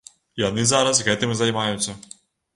Яны зараз гэтым і займаюцца.